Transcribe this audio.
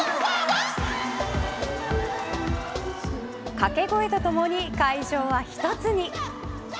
掛け声とともに会場は一つに。